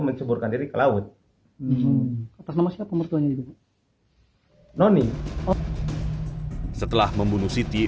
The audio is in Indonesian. noneng malah dibunuh oleh siti